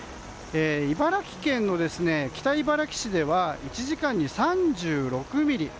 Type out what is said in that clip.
茨城県の北茨城市では１時間に３６ミリ。